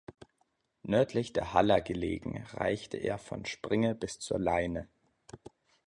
Nördlich der Haller gelegen, reichte er von Springe bis zur Leine.